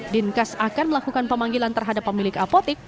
dinkes akan melakukan pemanggilan terhadap pemilik apotik